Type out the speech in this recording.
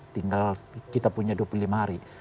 tinggal kita punya dua puluh lima hari